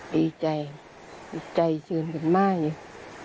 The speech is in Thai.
ดีใจดีใจเชิญกันมากเลย